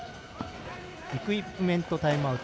イクイップメントタイムアウト。